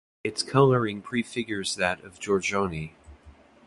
Its colouring prefigures that of Giorgione